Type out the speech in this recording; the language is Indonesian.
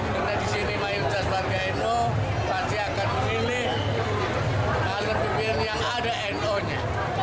masih akan memilih pahala kepimpinan yang ada nu nya